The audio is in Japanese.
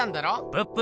ブッブ！